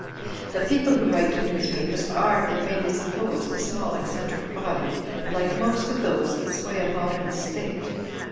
The people who write to newspapers are, it may be supposed, a small, eccentric body, like most of those that sway a modem state.